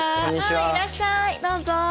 いらっしゃいどうぞ。